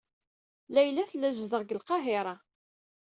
Layla tella tezdeɣ deg lqahiṛa.